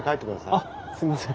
あっすいません。